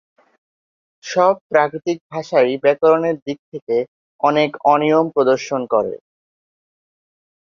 সব প্রাকৃতিক ভাষাই ব্যাকরণের দিক থেকে অনেক অনিয়ম প্রদর্শন করে।